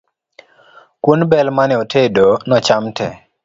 Kuon bel mane otedo nocham tee